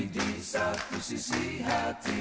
di satu sisi hati